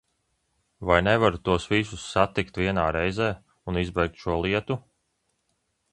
Vai nevaru tos visus satikt vienā reizē un izbeigt šo lietu?